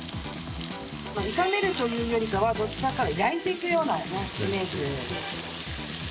炒めるというよりかはどっちかっつったら焼いていくようなイメージですね。